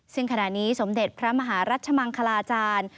ซึ่งขณะนี้สมเด็จพระมหารัชมังคลาจารย์